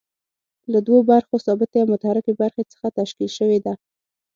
له دوو برخو ثابتې او متحرکې برخې څخه تشکیل شوې ده.